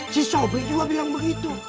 si suami juga bilang begitu